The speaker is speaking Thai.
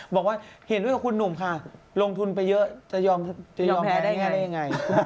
บอกว่าเห็นด้วยกับคุณหนุ่มค่ะลงทุนไปเยอะจะยอมแพ้ได้ง่ายได้ยังไง